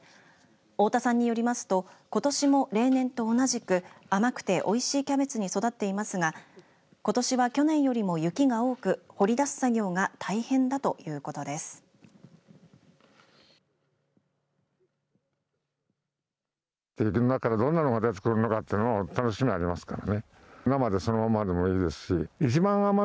太田さんによりますとことしも例年と同じく、甘くておいしいキャベツに育っていますがことしは去年よりも雪が多く掘り出す作業が大変だということです。